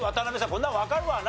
こんなのわかるわな。